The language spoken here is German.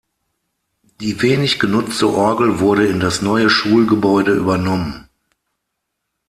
Die wenig genutzte Orgel wurde in das neue Schulgebäude übernommen.